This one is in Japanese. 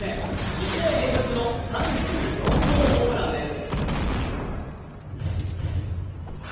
２試合連続の３４号ホームランです。